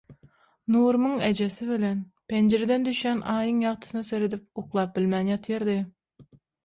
Nurumyň ejesi welin, penjireden düşýän Aýyň ýagtysyna seredip uklap bilmän ýatyrdy.